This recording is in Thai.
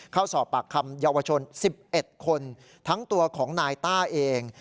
เข้าสอบปากคำเยาวชน๑๑คนทั้งตัวของนายต้าเอง